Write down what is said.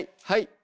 はい！